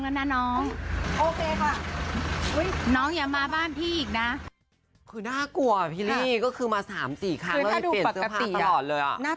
แล้วไม่เปลี่ยนเสื้อผ้าตลอดเลยอ่ะ